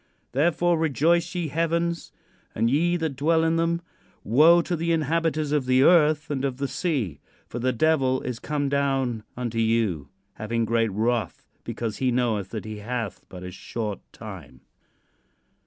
"Therefore, rejoice, ye heavens, and ye that dwell in them. Woe to the inhabiters of the earth and of the sea; for the devil is come down unto you, having great wrath, because he knoweth that he hath but a short time."